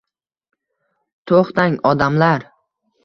To’xtang, odamlar!